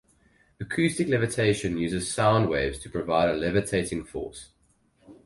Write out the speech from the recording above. Acoustic levitation uses sound waves to provide a levitating force.